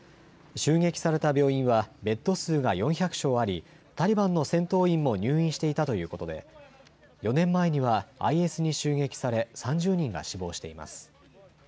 襲撃された病院は、ベッド数が４００床あり、タリバンの戦闘員も入院していたということで、４年前にはＩＳに襲撃され、３０人が死亡しています。